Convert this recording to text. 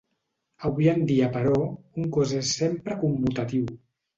Avui en dia però, un cos és sempre commutatiu.